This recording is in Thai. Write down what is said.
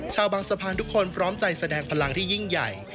ชาวบางสะพานทุกคนพร้อมใจแสดงพลังที่ยิ่งใหญ่